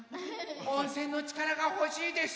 温泉のちからがほしいです！